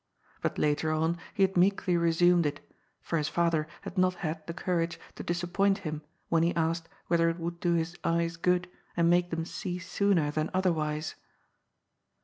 But later on he had meekly resumed it, for his father had not had the courage to disappoint him when he asked whether it would do his eyes good and make them see sooner than otherwise.